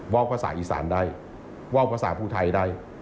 ว้าวภาษาอีสานได้ว้าวภาษาผู้ไทยได้